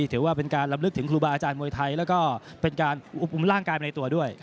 ถือว่าเป็นการลำลึกถึงครูบาอาจารย์มวยไทยแล้วก็เป็นการอุปุมร่างกายไปในตัวด้วย